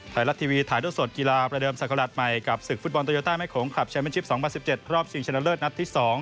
ไทยรัฐทีวีถ่ายท่อสดกีฬาประเดิมศักราชใหม่กับศึกฟุตบอลโตโยต้าแม่โขงคลับแชมเป็นชิป๒๐๑๗รอบชิงชนะเลิศนัดที่๒